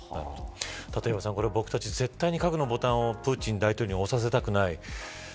立岩さん、僕たち絶対に核のボタンをプーチン大統領に押させたくない。